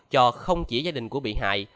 cho không chỉ gia đình của bị hại